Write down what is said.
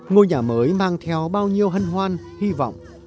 ngôi nhà mới mang theo bao nhiêu hân hoan hy vọng